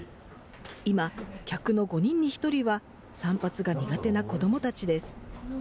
今、客の５人に１人は散髪が苦手な子どもたちです。